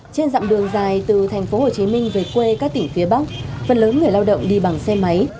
trên dặm đường dài từ thành phố hồ chí minh về quê các tỉnh phía bắc phần lớn người lao động đi bằng xe máy